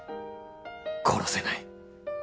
殺せない